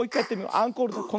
アンコールだよ。